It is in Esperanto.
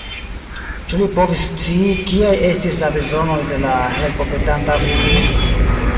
Ĉu li povis scii, kiaj estis la bezonoj de la helpopetanta virino?